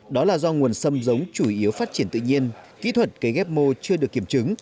đó là do nguồn xâm giống chủ yếu phát triển tự nhiên kỹ thuật cấy ghép mô chưa được kiểm chứng